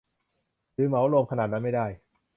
หรือเหมารวมขนาดนั้นไม่ได้